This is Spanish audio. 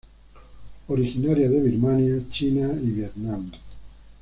Originaria de Birmania, China y Vietnam.